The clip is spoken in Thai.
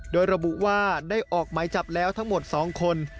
โดยระบุว่าได้ออกหมายจับแล้วทั้งหมด๒คน